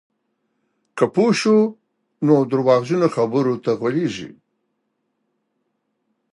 که پوه شو، نو درواغجنو خبرو ته غولېږو.